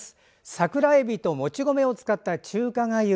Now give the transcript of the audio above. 桜えびともち米を使った中華がゆ。